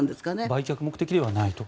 売却目的ではないと。